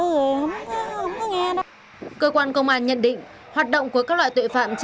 không có nghe đâu cơ quan công an nhận định hoạt động của các loại tội phạm trên đất nước này là